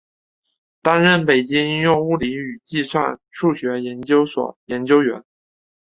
担任北京应用物理与计算数学研究所研究员。